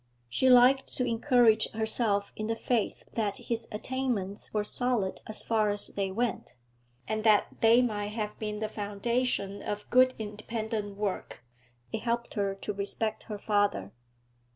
She liked to encourage herself in the faith that his attainments were solid as far as they went, and that they might have been the foundation of good independent work; it helped her to respect her father.